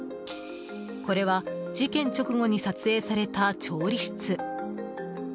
これは事件直後に撮影された調理室。